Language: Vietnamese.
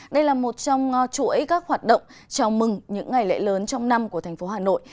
đây là một trong chuỗi các hoạt động chào mừng những ngày lễ lớn trong năm của thành phố hà nội